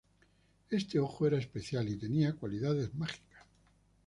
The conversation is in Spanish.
Este ojo era especial y tenía cualidades mágicas.